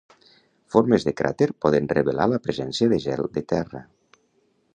Formes de cràter poden revelar la presència de gel de terra.